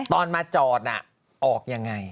ตอนมาจอดออกอย่างไร